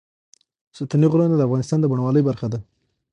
ستوني غرونه د افغانستان د بڼوالۍ برخه ده.